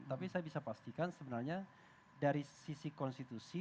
tapi saya bisa pastikan sebenarnya dari sisi konstitusi